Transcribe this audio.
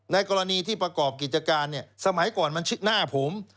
กรณีที่ประกอบกิจการเนี่ยสมัยก่อนมันชื่อหน้าผม